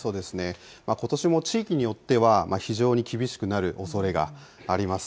ことしも地域によっては非常に厳しくなるおそれがあります。